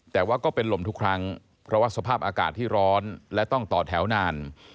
แต่ว่าก็เป็นลมทุกครั้งเพราะว่าสภาพอากาศที่ร้อนและต้องต่อแถวนาน